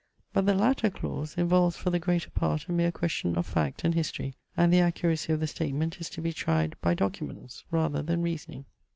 But the latter clause involves for the greater part a mere question of fact and history, and the accuracy of the statement is to be tried by documents rather than reasoning.